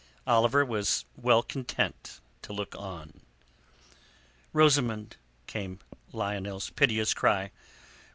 Oliver was well content to look on. "Rosamund!" came Lionel's piteous cry.